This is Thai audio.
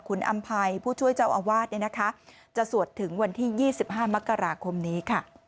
คุณอำภัยผู้ช่วยเจ้าอาวาสจะสวดถึงวันที่๒๕มกราคมนี้